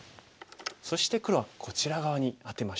そして黒はこちら側にアテました。